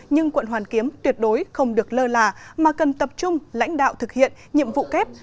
nhưng quận hoàn kiếm tuyệt đối không được lơ là mà cần tập trung lãnh đạo thực hiện nhiệm vụ kép